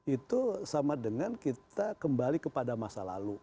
itu sama dengan kita kembali kepada masa lalu